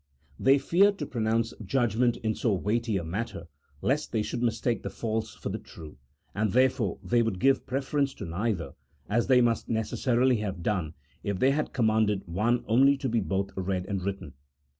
They feared to pronounce j udgment in so weighty a matter lest they should mistake the false for the true, and therefore they would give preference to neither, as .they must necessarily have done if they had commanded one only to be both read and written.